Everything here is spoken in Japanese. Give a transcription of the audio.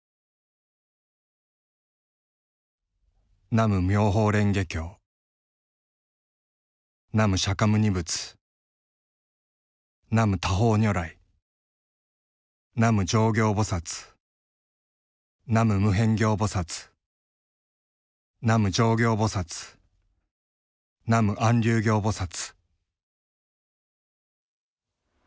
「南無妙法蓮華経南無釈牟尼仏南無多宝如来南無上行菩薩南無無辺行菩薩南無浄行菩薩南無安立行菩薩」。